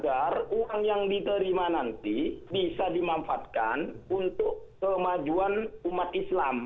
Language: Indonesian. agar uang yang diterima nanti bisa dimanfaatkan untuk kemajuan umat islam